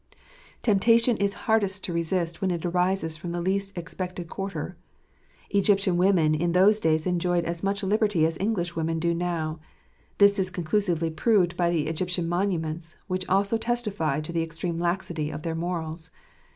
Temptation is hardest to resist when it arises from the least j expected quarter. Egyptian women in those days enjoyed as much liberty as English women do now : this is con I clusively proved by the Egyptian monuments, which also testify to the extreme laxity of their morals.